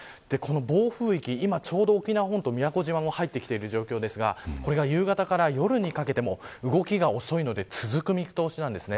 暴風域が沖縄半島や宮古島にも入ってきてる状況ですがこれが夕方から夜にかけても動きが遅いので続く見通しです。